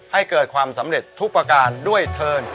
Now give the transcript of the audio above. ให้เกิดความสำเร็จทุกประการด้วยเทิน